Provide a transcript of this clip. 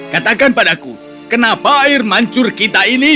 katakan padaku kenapa air mancur kita ini